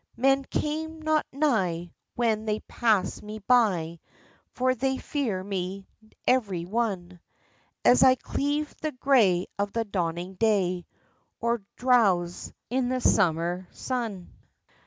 Men come not nigh when they pass me by For they fear me, everyone, As I cleave the gray of the dawning day Or drowse in the summer sun.